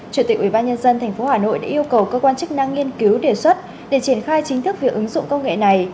chủ tịch ủy ban nhân dân thành phố hà nội đã yêu cầu cơ quan chức năng nghiên cứu đề xuất để triển khai chính thức việc ứng dụng công nghệ này